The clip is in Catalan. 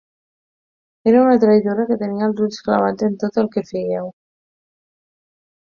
Era una traïdora que tenia els ulls clavats en tot el que féieu.